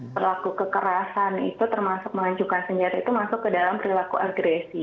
perlaku kekerasan itu termasuk mengajukan senjata itu masuk ke dalam perilaku agresi